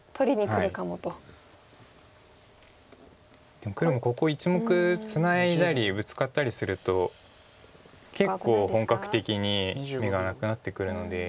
でも黒もここ１目ツナいだりブツカったりすると結構本格的に眼がなくなってくるので。